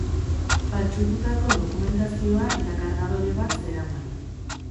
Faltsututako dokumentazioa eta kargadore bat zeraman.